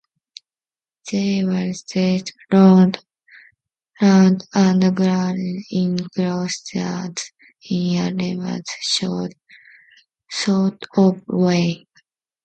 They whirled round and gathered in clusters in a nebulous sort of way.